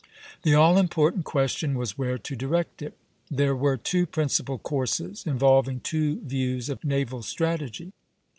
The all important question was where to direct it. There were two principal courses, involving two views of naval strategy.